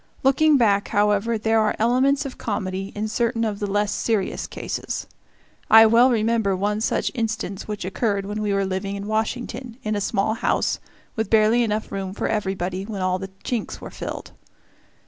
Looking back, however, there are elements of comedy in certain of the less serious cases. I well remember one such instance which occurred when we were living in Washington, in a small house, with barely enough room for everybody when all the chinks were filled.